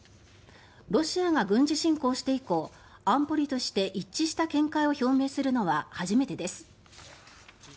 ロシアが軍事侵攻して以降安保理として一致した見解を表明するのは初めてです。